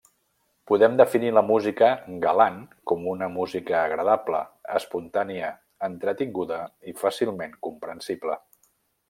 Podem definir la música galant com una música agradable, espontània, entretinguda i fàcilment comprensible.